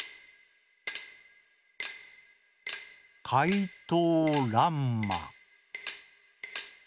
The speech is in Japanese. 「かいとうらんま」。